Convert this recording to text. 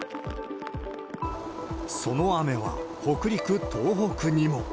その雨は北陸、東北にも。